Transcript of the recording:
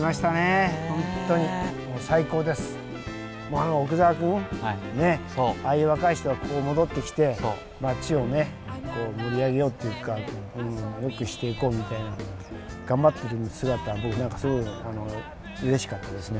あの奥澤君ああいう若い人がこう戻ってきて町をね盛り上げようというかよくしていこうみたいな頑張ってる姿は何かすごいうれしかったですね。